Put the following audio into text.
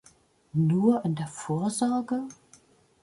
Nur in der Vorsorge?